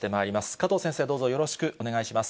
加藤先生、よろしくお願いします。